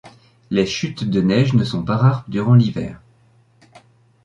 Les chutes de neige ne sont pas rares durant l'hiver.